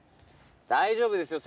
大丈夫ですよ。